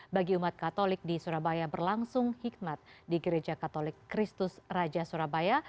bagi umat katolik di surabaya berlangsung hikmat di gereja katolik kristus raja surabaya